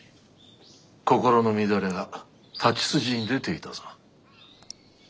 心の乱れが太刀筋に出ていたぞ。